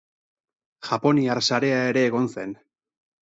Japoniar sarea ere egon zen.